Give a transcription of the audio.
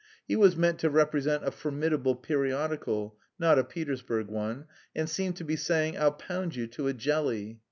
He was meant to represent a formidable periodical (not a Petersburg one), and seemed to be saying, "I'll pound you to a jelly."